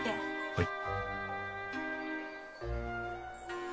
はい。